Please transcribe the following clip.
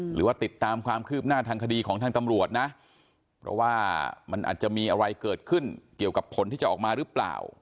หรือว่าติดตามความคืบหน้าทางคดีของทางตำรวจนะเพราะว่ามันอาจจะมีอะไรเกิดขึ้นเกี่ยวกับผลที่จะออกมาหรือเปล่า